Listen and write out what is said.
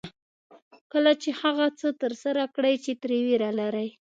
کله چې هغه څه ترسره کړئ چې ترې وېره لرئ.